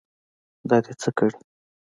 دا دې څه کړي.